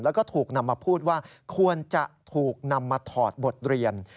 แล้วก็ถูกนำมาพูดว่าควรจะถูกนำมาถอดบทเรียน